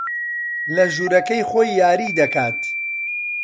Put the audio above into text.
لە ژوورەکەی خۆی یاری دەکات.